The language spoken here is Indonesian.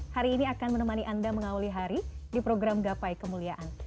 hari ini akan menemani anda mengawali hari di program gapai kemuliaan